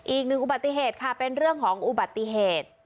อีกหนึ่งอุบัติเหตุค่ะเป็นเรื่องของอุบัติเหตุ